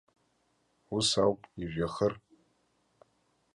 Ус ауп, ижәҩахыр.